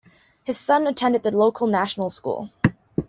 His son attended the local national school.